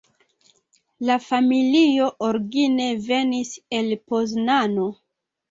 La familio origine venis el Poznano.